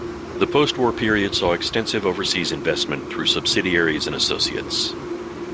The post-war period saw extensive overseas investment through subsidiaries and associates.